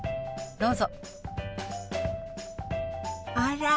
どうぞ。